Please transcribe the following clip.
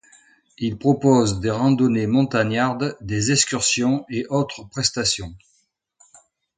Ils proposent des randonnées montagnardes, des excursions et autres prestations.